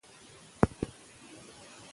که پښتو ژبه وي نو زموږ کلتوري غرور نه ماتېږي.